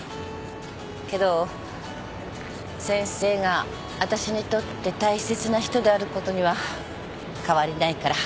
けど先生が私にとって大切な人であることには変わりないから。